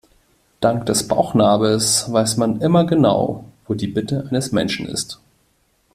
Dank des Bauchnabels weiß man immer genau, wo die Mitte eines Menschen ist.